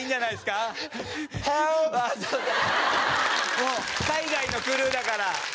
もう海外のクルーだから。